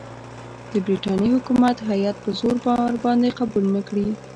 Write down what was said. د برټانیې حکومت هیات په زور ورباندې قبول نه کړي.